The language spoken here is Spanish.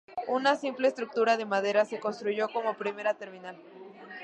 Una simple estructura de madera se construyó como primera terminal.